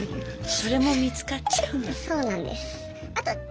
それも見つかっちゃうんだ。